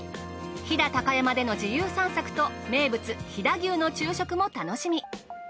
飛騨高山での自由散策と名物飛騨牛の昼食も楽しみ。